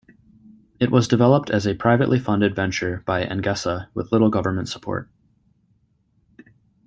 It was developed as a privately funded venture by Engesa, with little government support.